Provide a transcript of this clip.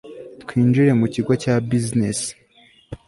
Twinjire mu kigo cya Business